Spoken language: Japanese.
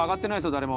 誰も。